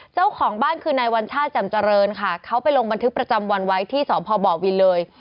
เจ้าของบ้านคือนายวัญชาติจำเจริญค่ะเขาไปลงบันทึกประจำวันไว้ที่สพบวินเลย